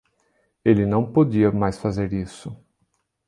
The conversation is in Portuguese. Ele não podia mais fazer isso.